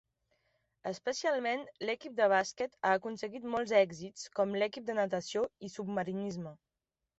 Especialment l'equip de bàsquet ha aconseguit molts èxits, com l'equip de natació i submarinisme.